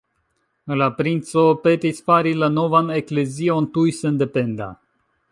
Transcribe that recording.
La princo petis fari la novan Eklezion tuj sendependa.